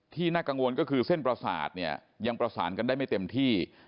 น่ากังวลก็คือเส้นประสาทเนี่ยยังประสานกันได้ไม่เต็มที่